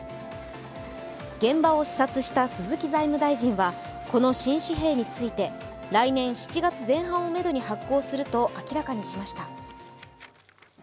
現場を視察した鈴木財務大臣はこの新紙幣について、来年７月前半をめどに発行すると明らかにしました。